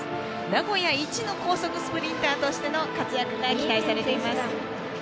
名古屋一の高速スプリンターとしての活躍が期待されています。